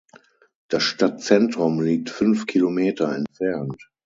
Das Stadtzentrum liegt fünf Kilometer entfernt.